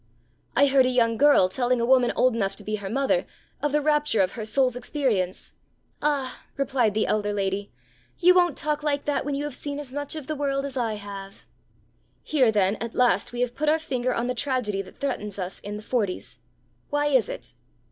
I heard a young girl telling a woman old enough to be her mother of the rapture of her soul's experience. 'Ah!' replied the elder lady, 'You won't talk like that when you have seen as much of the world as I have!' Here, then, at last we have put our finger on the tragedy that threatens us in the forties. Why is it?